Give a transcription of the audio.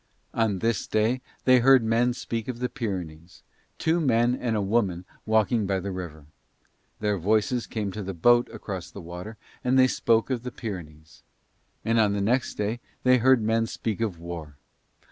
On this day they heard men speak of the Pyrenees, two men and a woman walking by the river; their voices came to the boat across the water, and they spoke of the Pyrenees. And on the next day they heard men speak of war.